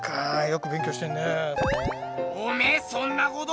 よく勉強してんね。